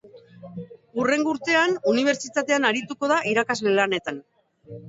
Hurrengo urtean, unibertsitatean arituko da irakasle lanetan.